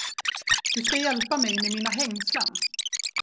Du ska hjälpa mig med mina hängslen.